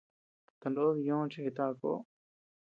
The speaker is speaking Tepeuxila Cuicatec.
Tanod ñó chi kataʼa koʼo.